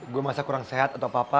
gue merasa kurang sehat atau apa apa